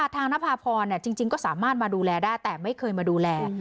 นภาพรจริงก็สามารถมาดูแลได้แต่ไม่เคยมาดูแล